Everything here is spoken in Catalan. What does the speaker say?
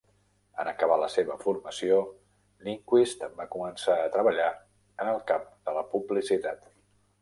En acabar la seva formació, Lindquist va començar a treballar en el camp de la publicitat.